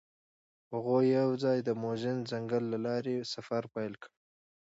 هغوی یوځای د موزون ځنګل له لارې سفر پیل کړ.